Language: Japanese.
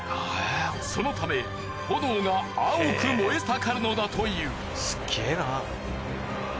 そのため炎が青く燃え盛るのだという。